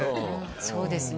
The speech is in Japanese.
そうですね。